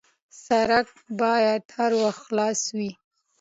سړک باید هر وخت خلاص وي.